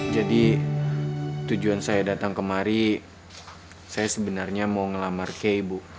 jadi tujuan saya datang kemari saya sebenarnya mau ngelamar kei bu